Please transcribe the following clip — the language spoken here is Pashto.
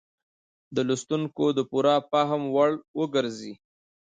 د لوستونکو د پوره فهم وړ وګرځي.